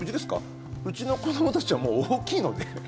うちの子どもたちはもう大きいので。